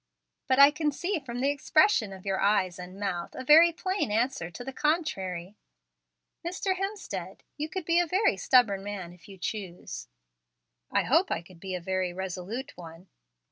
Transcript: "But I can see from the expression of your eyes and mouth a very plain answer to the contrary. Mr. Hemstead, you could be a very stubborn man if you chose." "I hope I could be a very resolute one."